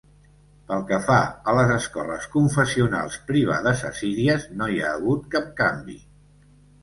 Pel que fa a les escoles confessionals privades assíries no hi ha hagut cap canvi.